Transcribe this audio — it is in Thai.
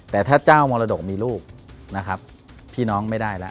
แต่ถ้าเจ้ามรดกมีลูกนะครับพี่น้องไม่ได้แล้ว